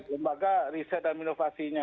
lembaga riset dan inovasinya